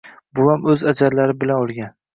Buvam o‘z ajallari bilan o‘lgan.